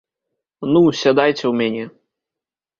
Ну, сядайце ў мяне.